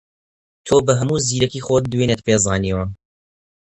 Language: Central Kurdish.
تۆ بە هەموو زیرەکیی خۆت دوێنێت پێ زانیوە